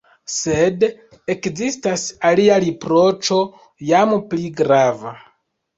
Sed ekzistas alia riproĉo, jam pli grava.